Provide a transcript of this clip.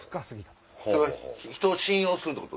それは人を信用するってこと？